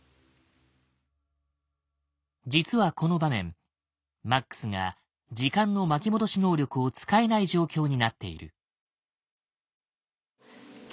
実はこの場面マックスが時間の巻き戻し能力を使えない状況になっている。